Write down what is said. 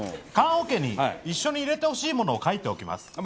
棺桶に一緒に入れてほしいものを書いておきます。